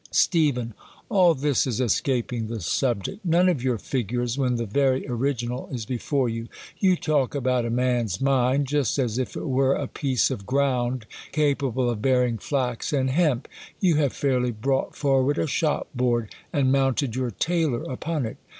Steph, All this is escaping the subject. None of your figures, when the very original is before you. You talk about a man's mind, just as if it were a piece of gi ound, capable of bearing flax and hemp. You have fiiirly brought forward a shop board, and mounted your tailor upon it..